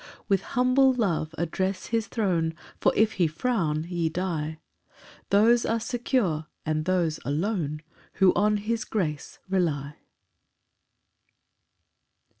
6 With humble love address his throne, For if he frown ye die; Those are secure, and those alone, Who on his grace rely.